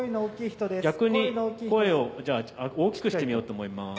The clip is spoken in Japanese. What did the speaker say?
逆に声を大きくしてみようと思います。